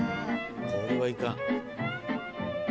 これはいかん。